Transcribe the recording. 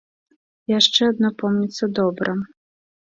Яшчэ адно помніцца добра.